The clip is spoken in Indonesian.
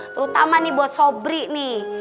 terutama nih buat sobri nih